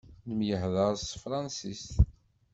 Nemyehḍaṛ s tefransist.